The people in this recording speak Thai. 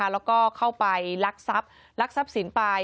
แล้วก็เข้าไปลักทรัพย์ลักทรัพย์สินไป